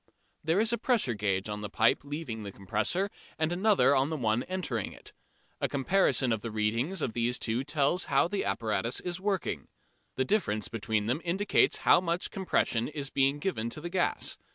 There is a pressure gauge on the pipe leaving the compressor and another on the one entering it. A comparison of the readings on these two tells how the apparatus is working. The difference between them indicates how much compression is being given to the gas.